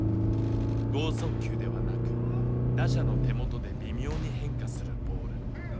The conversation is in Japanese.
豪速球ではなく打者の手元で微妙に変化するボール。